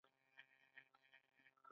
بزگر سږ کال سیاليوان نه لري.